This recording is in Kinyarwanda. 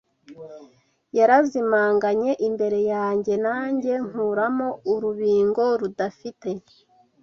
Yarazimanganye imbere yanjye Nanjye nkuramo urubingo rudafite